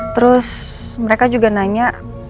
terus mereka juga nanya